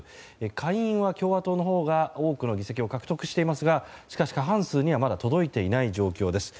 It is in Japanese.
下院は共和党のほうが多くの議席を獲得していますがしかし過半数にはまだ届いていない状況です。